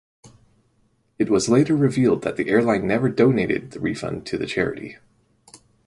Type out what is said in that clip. It was later revealed that the airline never donated the refund to the charity.